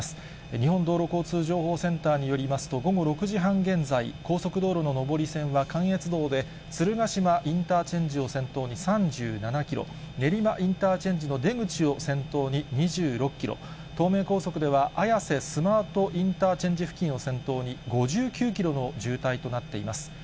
日本道路交通情報センターによりますと、午後６時半現在、高速道路の上り線は、関越道で鶴ヶ島インターチェンジを先頭に３７キロ、練馬インターチェンジの出口を先頭に２６キロ、東名高速では、綾瀬スマートインターチェンジ付近を先頭に５９キロの渋滞となっています。